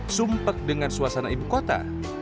sumpak dengan suasana ibu kota